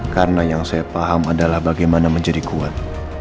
karena yang saya paham adalah bagaimana menjadi kuat